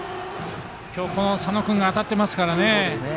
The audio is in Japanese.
今日、この佐野君が当たってますからね。